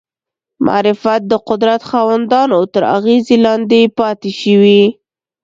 معرفت د قدرت خاوندانو تر اغېزې لاندې پاتې شوی